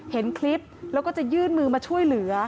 เห็นคลิปแล้วก็จะยื่นมือมาช่วยเหลือ